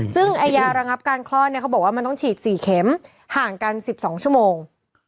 ซึ่งยาระงับการคลอดเนี่ยเขาบอกว่ามันต้องฉีด๔เข็มห่างกัน๑๒ชั่วโมง